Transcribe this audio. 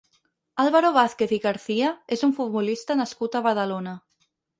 Álvaro Vázquez i García és un futbolista nascut a Badalona.